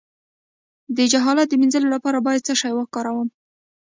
د جهالت د مینځلو لپاره باید څه شی وکاروم؟